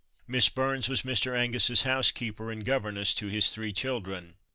Miss Burns was Mr. Angus's housekeeper, and governess to his three children.